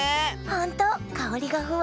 ほんとかおりがふわって。